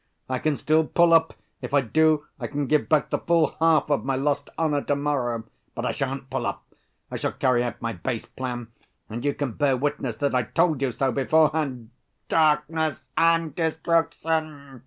I can still pull up; if I do, I can give back the full half of my lost honor to‐morrow. But I shan't pull up. I shall carry out my base plan, and you can bear witness that I told you so beforehand. Darkness and destruction!